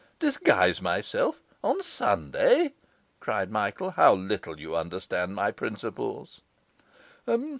'Disguise myself on Sunday?' cried Michael. 'How little you understand my principles!